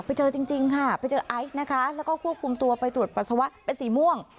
ไปเจอจริงค่ะไปเจอไอซ์นะคะแล้วก็ควบคุมตัวไปตรวจปัสสาวะเป็นสีม่วง